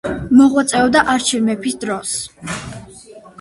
მოღვაწეობდა არჩილ მეფის დროს.